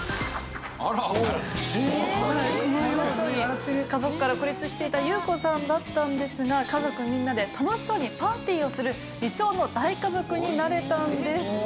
このように家族から孤立していた祐子さんだったんですが家族みんなで楽しそうにパーティーをする理想の大家族になれたんです。